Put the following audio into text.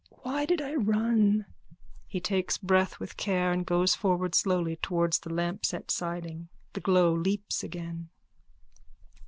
Why did I run? _(He takes breath with care and goes forward slowly towards the lampset siding. The glow leaps again.)